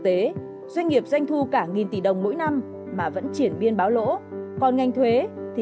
tế doanh nghiệp doanh thu cả nghìn tỷ đồng mỗi năm mà vẫn triển biên báo lỗ còn ngành thuế thì